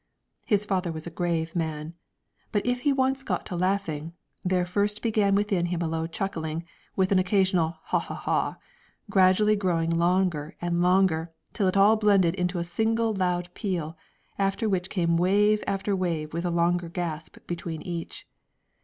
His father was a grave man, but if he once got to laughing, there first began within him a low chuckling, with an occasional ha ha ha, gradually growing longer and longer, until all blended in a single loud peal, after which came wave after wave with a longer gasp between each.